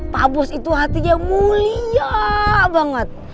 pak bos itu hatinya mulia banget